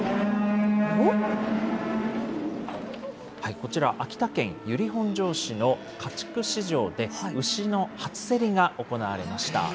こちら、秋田県由利本荘市の家畜市場で、牛の初競りが行われました。